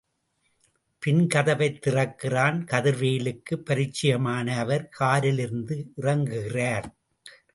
பின் கதவை திறக்கிறான்... கதிர்வேலுக்கு பரிச்சயமான அவர், காரிலிருந்து இறங்ககிறார்.